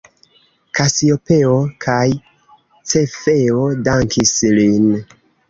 Kasiopeo kaj Cefeo dankis lin.